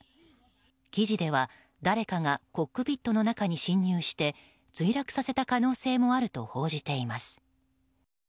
記事では、誰かがコックピットの中に侵入して墜落させた可能性もあると報じています。